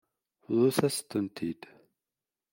Bḍut-as-tent-id.